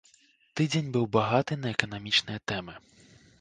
Тыдзень быў багаты на эканамічныя тэмы.